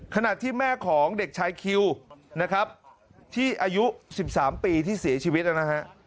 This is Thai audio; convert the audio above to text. ขณะที่แม่ของเด็กชายคิวนะครับที่อายุ๑๓ปีที่เสียชีวิตนะฮะ